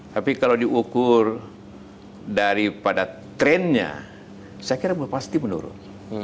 tapi kalau diukur daripada trennya saya kira pasti menurun